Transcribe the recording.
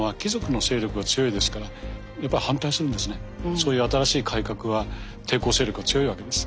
そういう新しい改革は抵抗勢力が強いわけです。